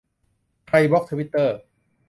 "ใครบล็อกทวิตเตอร์ ?"